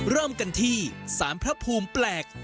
เริ่มกันที่สารพระภูมิแปลก